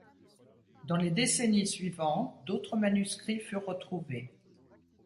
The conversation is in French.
Dans les décennies suivantes, d'autres manuscrits furent retrouvés.